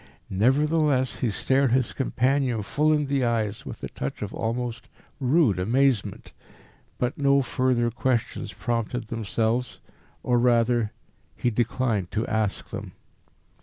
Nevertheless, he stared his companion full in the eyes with a touch of almost rude amazement. But no further questions prompted themselves; or, rather, he declined to ask them.